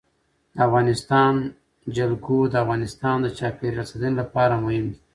د افغانستان جلکو د افغانستان د چاپیریال ساتنې لپاره مهم دي.